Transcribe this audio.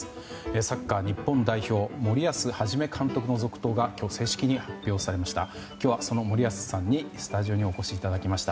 サッカー日本代表森保一監督の続投が今日、正式に発表されました。